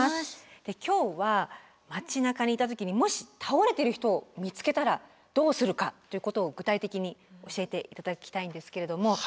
今日は街なかにいた時にもし倒れてる人を見つけたらどうするかということを具体的に教えて頂きたいんですけれども。